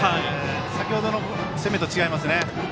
先程の攻めと違いますね。